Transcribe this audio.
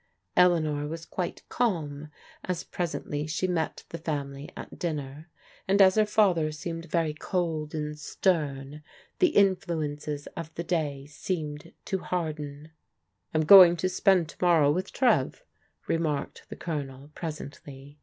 Eleanor was quite calm as presently she met the family at dinner, and as her father seemed very cold and stem, the influences of the day seemed to harden. " I'm going to spend to morrow with Trev," remarked the Colonel presently.